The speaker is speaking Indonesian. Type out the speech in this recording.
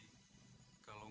terima kasih pak haji